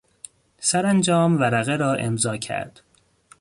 سرانجام ورقه را امضا کرد.